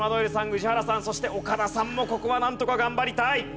宇治原さんそして岡田さんもここはなんとか頑張りたい。